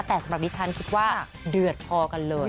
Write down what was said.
แต่สำหรับดิฉันคิดว่าเดือดพอกันเลย